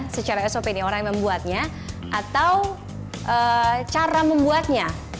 secara sop nih orang yang membuatnya atau cara membuatnya